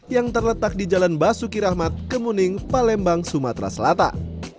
yang terletak di jalan basuki rahmat kemuning palembang sumatera selatan